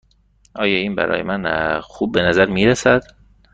آیا این برای من خوب به نظر می رسد؟